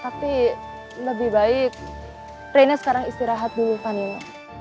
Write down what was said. tapi lebih baik rena sekarang istirahat dulu panino